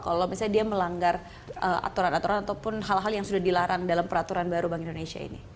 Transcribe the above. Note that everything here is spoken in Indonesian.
kalau misalnya dia melanggar aturan aturan ataupun hal hal yang sudah dilarang dalam peraturan baru bank indonesia ini